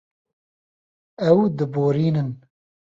Ew diborînin.